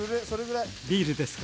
ビールですか。